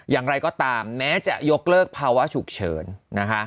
อย่างไรก็ตามแม้จะยกเลิกภาวะฉุกเฉินนะคะ